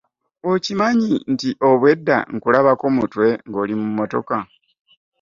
Okimanyi nti obwe da nkulabako mutwe nga oli mu mmotoka.